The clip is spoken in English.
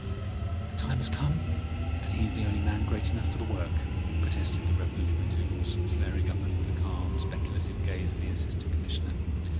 "The time has come, and he is the only man great enough for the work," protested the revolutionary Toodles, flaring up under the calm, speculative gaze of the Assistant Commissioner.